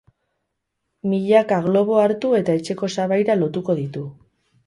Milaka globo hartu eta etxeko sabaira lotuko ditu.